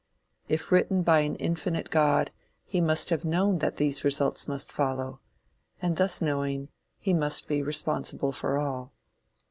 If written by an infinite God, he must have known that these results must follow; and thus knowing, he must be responsible for all.